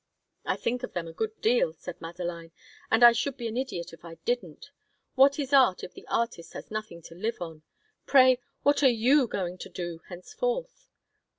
"I think of them a good deal," said Madeline, "and I should be an idiot if I didn't. What is art if the artist has nothing to live on? Pray, what are you going to do henceforth?